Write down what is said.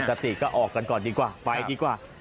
สติก็ออกกันก่อนดีกว่าไปดีกว่า